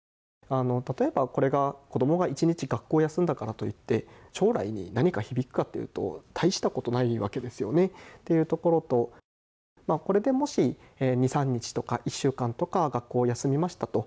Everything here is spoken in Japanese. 例えばこれが、子どもが１日学校休んだからといって将来に何か響くかっていうと大したことないわけですよねっていうところとこれでもし２３日とか１週間とか学校休みましたと。